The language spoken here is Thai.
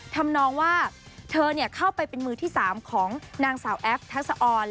ทำนองว่าเธอเข้าไปเป็นมือที่๓ของนางสาวแอฟทักษะออน